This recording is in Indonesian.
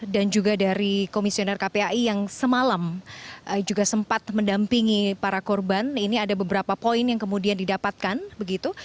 juga dari komisioner kpai yang semalam juga sempat mendampingi para korban ini ada beberapa poin yang kemudian didapatkan begitu